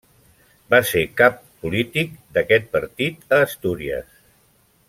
Va ser cap polític d'aquest partit a Astúries.